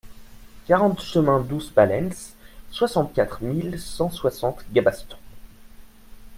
quarante chemin Dous Balens, soixante-quatre mille cent soixante Gabaston